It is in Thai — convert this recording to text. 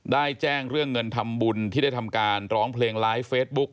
ได้แจ้งเรื่องเงินทำบุญที่ได้ทำการร้องเพลงไลฟ์เฟซบุ๊ก